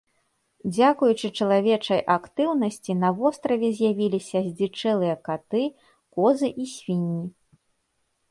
Дзякуючы чалавечай актыўнасці на востраве з'явіліся здзічэлыя каты, козы і свінні.